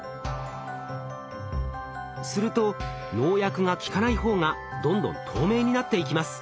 すると農薬が効かない方がどんどん透明になっていきます。